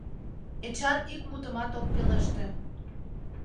Эчан ик мутымат ок пелеште.